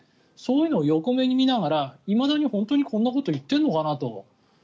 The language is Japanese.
そういうのを横目に見ながらいまだにこんなことを言っているのかなと。